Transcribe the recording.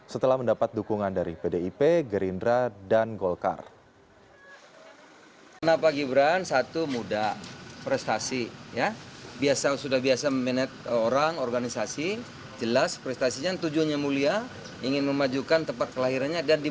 setelah mendapat dukungan dari pdip gerindra dan golkar